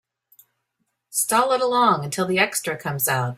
Stall it along until the extra comes out.